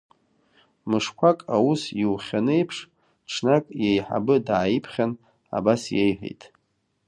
Мышқәак аус иухьаны еиԥш, ҽнак иеиҳабы дааиԥхьан, абас иеиҳәеит…